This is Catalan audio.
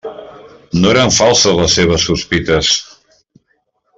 No eren falses les seues sospites!